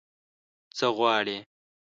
_څه غواړې؟